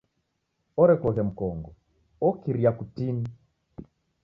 Orekoghe mkongo okiria kutini.